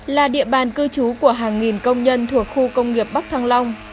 là địa bàn cư trú của hàng nghìn công nhân thuộc khu công nghiệp bắc thăng long